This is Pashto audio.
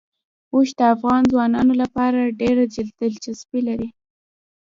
اوښ د افغان ځوانانو لپاره ډېره دلچسپي لري.